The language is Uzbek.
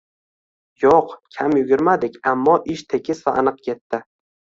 Yo`q, kam yugurmadik, ammo ish tekis va aniq ketdi